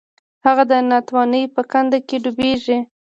هغه د ناتوانۍ په کنده کې ډوبیږي.